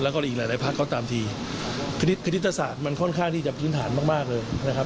ก็ตามทีคณิตศาสตร์มันค่อนข้างที่จะพื้นฐานมากเลยนะครับ